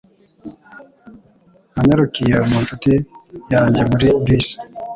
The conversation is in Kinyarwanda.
Nanyarukiye mu nshuti yanjye muri bisi.